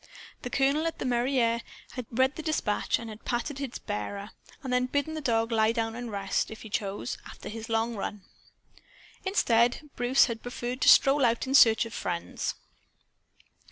The colonel, at the mairie, had read the dispatch and had patted its bearer; then had bidden the dog lie down and rest, if he chose, after his long run. Instead, Bruce had preferred to stroll out in search of friends.